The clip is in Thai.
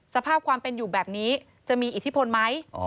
สภาพความเป็นอยู่แบบนี้จะมีอิทธิพลไหม